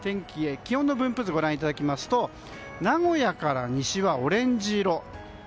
気温の分布図ご覧いただきますと名古屋から西はオレンジ色。